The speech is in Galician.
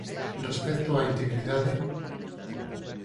"Respecto á integridade"